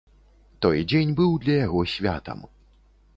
Той дзень быў для яго святам.